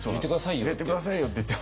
「入れて下さいよ」って言っても。